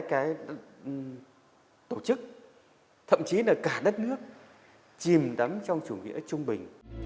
cái tổ chức thậm chí là cả đất nước chìm đắm trong chủ nghĩa trung bình